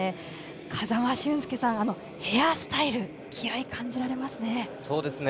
風間俊介さん、ヘアスタイル気合いを感じられますね。